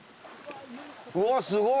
うわっすごっ。